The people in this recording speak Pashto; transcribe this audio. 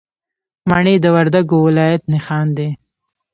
مڼې د وردګو ولایت نښان دی.